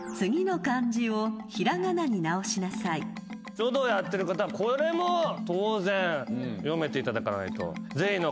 書道やってる方はこれも当然読めていただかないと。